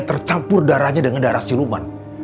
tercampur darahnya dengan darah siluman